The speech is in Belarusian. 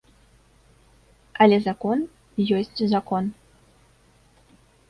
Але закон ёсць закон.